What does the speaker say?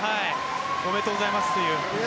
おめでとうございますという感じです。